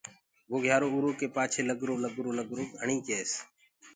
وو گھِيارو اُرو ڪي پآڇي لگرو لگرو لگرو گھڻي ڪيس۔